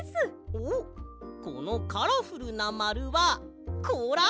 おっこのカラフルなまるはこうら？